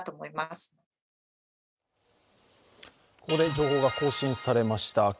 ここで情報が更新されました。